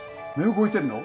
動いてんの？